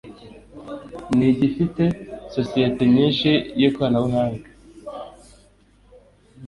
ni gifite sosiyete nyinshi y’ikoranabuhanga